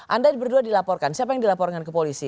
anda berdua dilaporkan siapa yang dilaporkan ke polisi